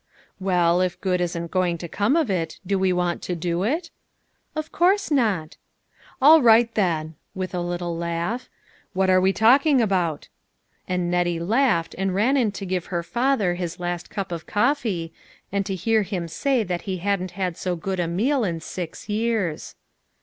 " Well, if good isn't going to come of it, do we want to do it ?"" Of course not." " All right, then," with a little laugh. " What are we talking about?" And Nettie laughed, and ran in to give her father his last cup of cof fee, and to hear him say that he hadn't had so good a meal in six years.